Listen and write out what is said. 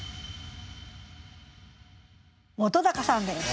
本さんです。